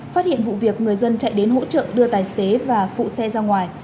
phát hiện vụ việc người dân chạy đến hỗ trợ đưa tài xế và phụ xe ra ngoài